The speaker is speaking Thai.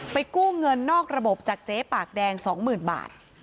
กู้เงินนอกระบบจากเจ๊ปากแดง๒๐๐๐บาท